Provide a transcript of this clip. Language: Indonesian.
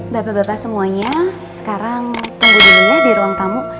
bapak bapak semuanya sekarang tunggu dulu ya di ruang kamu